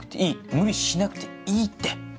無理しなくていい」って。